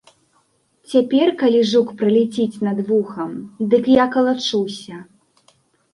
Цяпер калі жук праляціць над вухам, дык я калачуся.